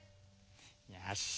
よし。